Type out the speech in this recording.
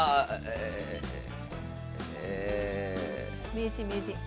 名人名人。